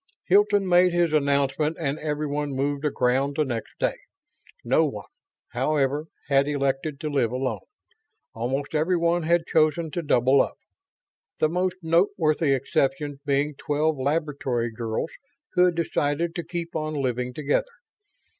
Hilton made his announcement and everyone moved aground the next day. No one, however, had elected to live alone. Almost everyone had chosen to double up; the most noteworthy exceptions being twelve laboratory girls who had decided to keep on living together.